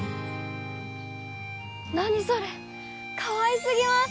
何それかわいすぎます。